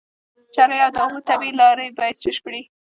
چرۍ او د اوبو طبيعي لاري بايد بشپړي